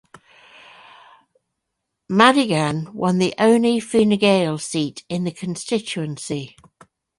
Madigan won the only Fine Gael seat in the constituency.